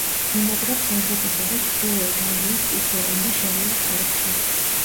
ბინადრობს ევროპისა და ჩრდილოეთ აზიის წიწვოვან და შერეულ ტყეებში.